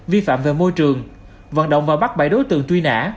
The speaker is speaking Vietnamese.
vi phạm về môi trường vận động và bắt bảy đối tượng truy nã